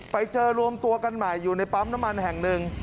ไปเจอรวมตัวกันใหม่อยู่ในปั๊มน้ำมันแห่งหนึ่ง